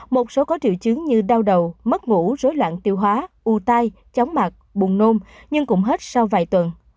một số có triệu chứng như đau đầu mất ngủ rối loạn tiêu hóa u tai chóng mặt buồn nôm nhưng cũng hết sau vài tuần